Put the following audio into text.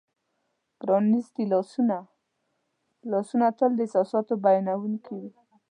پرانیستي لاسونه : لاسونه تل د احساساتو بیانونکي وي.